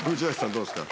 どうですか？